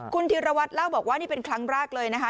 คุณธีรวัตรเล่าบอกว่านี่เป็นครั้งแรกเลยนะคะ